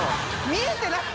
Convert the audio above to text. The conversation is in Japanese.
見えてない。